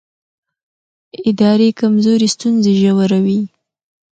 اداري کمزوري ستونزې ژوروي